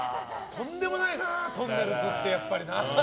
とんでもないなとんねるずって、やっぱり。